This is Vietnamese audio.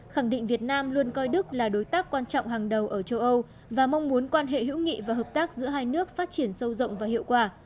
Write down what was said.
khẳng định việt nam luôn coi đức là đối tác quan trọng hàng đầu ở châu âu và mong muốn quan hệ hữu nghị và hợp tác giữa hai nước phát triển sâu rộng và hiệu quả